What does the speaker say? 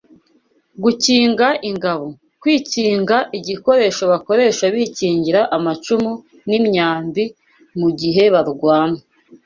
Gukinga ingabo: kwikinga igikoresho bakoresha bikingira amacumu n’imyambi mu gihe barwana